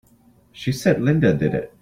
She said Linda did it!